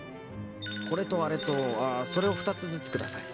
これとあれとあそれを２つずつ下さい。